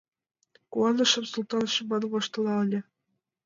— Куанышым— Султан шыман воштылале.